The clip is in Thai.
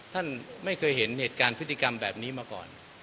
ท่านไม่เคยเห็นเหตุการณ์พฤติกรรมแบบนี้มาก่อน